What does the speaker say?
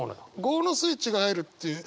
業のスイッチが入るっていう。